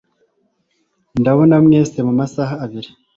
Ndababona mwese mumasaha abiri.